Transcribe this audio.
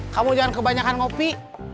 kamu jangan kebanyakan ngopi